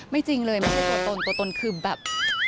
จริงเลยไม่ใช่ตัวตนตัวตนคือแบบ